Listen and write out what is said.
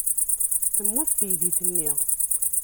Temmut teydit-nni.